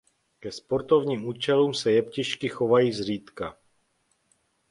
Ke sportovním účelům se jeptišky chovají zřídka.